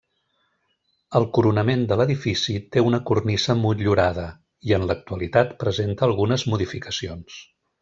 El coronament de l'edifici té una cornisa motllurada, i en l'actualitat presenta algunes modificacions.